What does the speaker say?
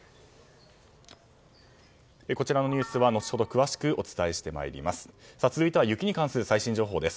こちらのニュースは後ほど詳しくお伝えしてまいります。